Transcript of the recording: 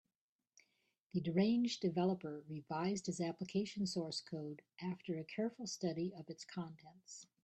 The deranged developer revised his application source code after a careful study of its contents.